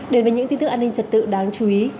đến với những tin tức an ninh trật tự đáng chú ý